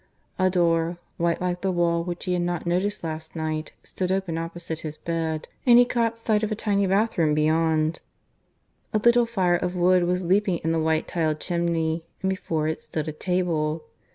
A door, white like the wall, which he had not noticed last night, stood open opposite his bed, and he caught sight of a tiny bathroom beyond. A little fire of wood was leaping in the white tiled chimney; and before it stood a table.